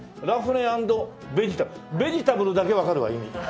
ベジタブルだけわかるわ意味。